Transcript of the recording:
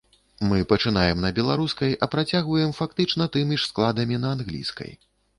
Мы пачынаем на беларускай, а працягваем фактычна тымі ж складамі на англійскай.